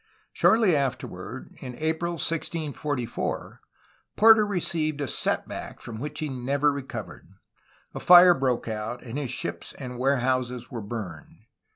Shortly afterward, in April 1644, Porter received a set back from which he never recovered. A fire broke out, and his ships and warehouses were burned.